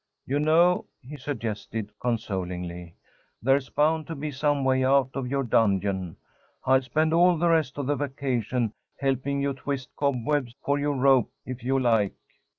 "You know," he suggested, consolingly, "there's bound to be some way out of your dungeon. I'll spend all the rest of the vacation helping you twist cobwebs for your rope, if you like."